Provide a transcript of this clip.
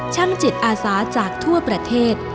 ช่างจิตอาสาจากทั่วประเทศ